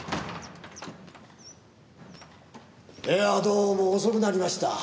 いやどうも遅くなりました。